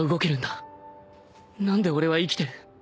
何で俺は生きてる？